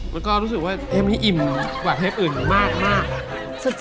แล้วก็รู้สึกว่าเทปนี้อิ่มกว่าเทปอื่นมาก